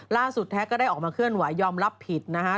ล่าสุดแท็กก็ได้ออกมาเคลื่อนหวายยอมรับผิดนะฮะ